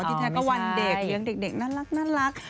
ที่แท้ก็วันเด็กเลี้ยงเด็กน่ารักอ๋อไม่ใช่